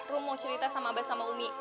rum mau cerita sama abah sama umi